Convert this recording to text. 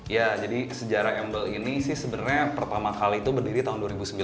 ya jadi sejarah embel ini sih sebenarnya pertama kali itu berdiri tahun dua ribu sembilan